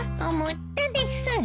思ったです。